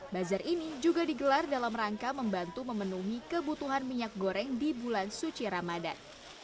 bazar ini juga digelar dalam rangka membantu memenuhi kebutuhan minyak goreng di bulan suci ramadan